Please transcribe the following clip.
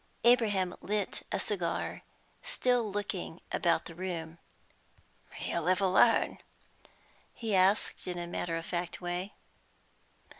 Abraham lit a cigar, still looking about the room. "You live alone?" he asked, in a matter of fact way.